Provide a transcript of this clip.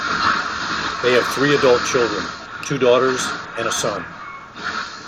They have three adult children: two daughters and a son.